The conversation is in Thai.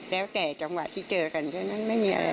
แล้วแต่จังหวะที่เจอกันแค่นั้นไม่มีอะไร